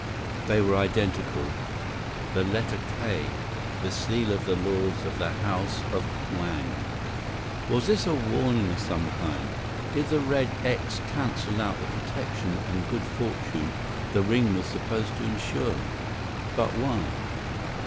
They were identical—the letter "K!"—the seal of the lords of the House of Kwang. Was this a warning of some kind? Did the red "X" cancel out the protection and good fortune the ring was supposed to insure? But why?